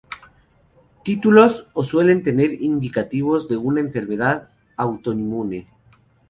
Títulos o suelen ser indicativos de una enfermedad autoinmune.